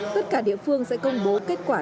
tất cả địa phương sẽ công bố kết quả